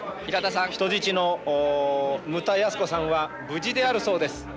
平田さん人質の牟田泰子さんは無事であるそうです。